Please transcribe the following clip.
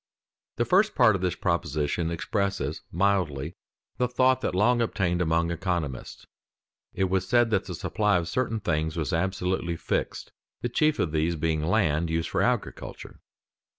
_ The first part of this proposition expresses mildly the thought that long obtained among economists: it was said that the supply of certain things was absolutely fixed, the chief of these being land used for agriculture.